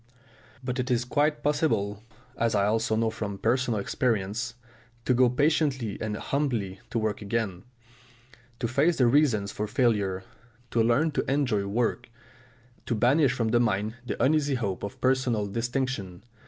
But it is quite possible, as I also know from personal experience, to go patiently and humbly to work again, to face the reasons for failure, to learn to enjoy work, to banish from the mind the uneasy hope of personal distinction.